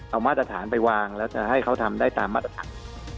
มาตรฐานไปวางแล้วจะให้เขาทำได้ตามมาตรฐาน